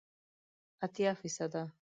اتیا فیصده